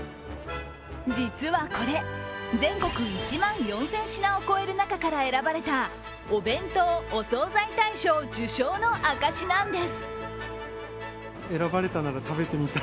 実はこれ、全国１万４０００品を超える中から選ばれたお弁当・お惣菜大賞受賞の証しなんです。